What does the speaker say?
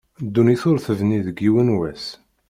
Ddunit ur tebni deg yiwen wass.